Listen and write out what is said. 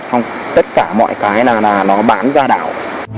xong tất cả mọi cái là nó bán ra đảo